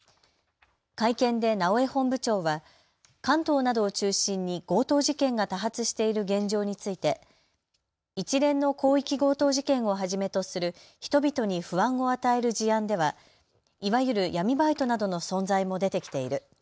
会見で直江本部長は関東などを中心に強盗事件が多発している現状について一連の広域強盗事件をはじめとする人々に不安を与える事案ではいわゆる闇バイトなどの存在も出てきている。